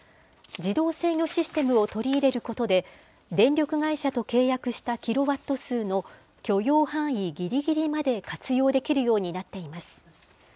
自動制御システムを取り入れることで、電力会社と契約したキロワット数の許容範囲ぎりぎりまで活用できるようになっています。